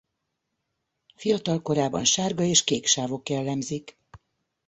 Fiatal korában sárga és kék sávok jellemzik.